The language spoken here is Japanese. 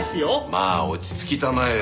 まあ落ち着きたまえよ。